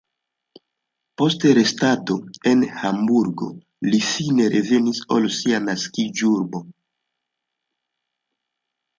Post restado en Hamburgo li fine revenis al sia naskiĝurbo.